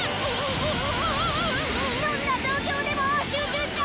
どんな状況でも集中しろ！